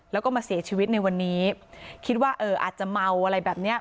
แล้วก็มาเสียชีวิตในวันนี้คิดว่าเอออาจจะเมาอะไรแบบเนี้ย